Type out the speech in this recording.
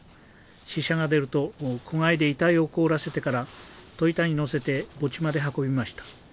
死者が出ると戸外で遺体を凍らせてから戸板にのせて墓地まで運びました。